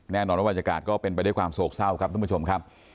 แน่นอนว่าบรรยากาศก็เป็นไปด้วยความโศกเศร้าครับท่านผู้ชมครับ